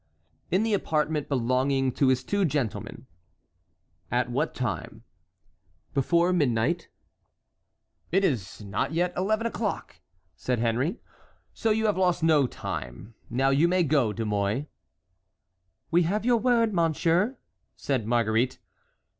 "In the apartment belonging to his two gentlemen." "At what time?" "Before midnight." "It is not yet eleven o'clock," said Henry, "so you have lost no time; now you may go, De Mouy." "We have your word, monsieur?" said Marguerite.